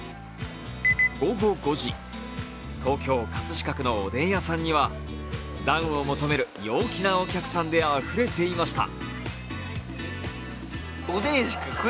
午後５時、東京・葛飾区のおでん屋さんには暖を求める陽気なお客さんであふれていました。